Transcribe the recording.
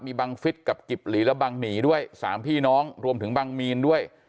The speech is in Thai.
มีบังฟิศกับกิบหลีและบังหนีด้วยสามพี่น้องรวมถึงบังมีนด้วย